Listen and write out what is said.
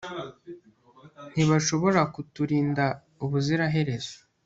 ntibashobora kuturinda ubuziraherezo